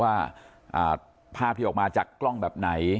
ว่าภาพที่ออกมาจากกล้องแบบไหน